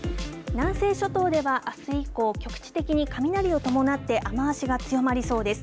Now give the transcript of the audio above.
南西諸島ではあす以降、局地的に雷を伴って雨足が強まりそうです。